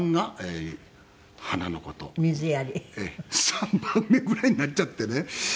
３番目ぐらいになっちゃってね。